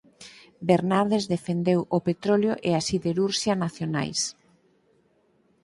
Bernardes defendeu o petróleo e a siderurxia nacionais.